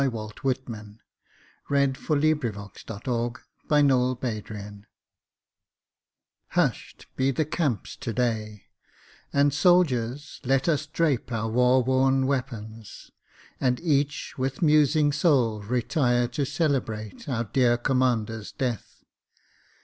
Walt Whitman (1865) Hush'd Be the Camps Today May 4, 1865 HUSH'D be the camps today, And soldiers let us drape our war worn weapons, And each with musing soul retire to celebrate, Our dear commander's death.